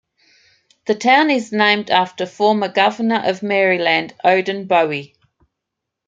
The town is named after former Governor of Maryland Oden Bowie.